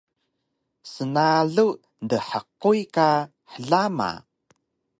snalu dhquy ka hlama